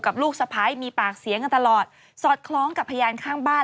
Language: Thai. ลูกสะพ้ายมีปากเสียงกันตลอดสอดคล้องกับพยานข้างบ้าน